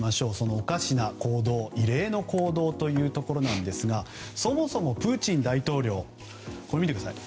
おかしな行動異例の行動というところですがそもそもプーチン大統領これ、見てください。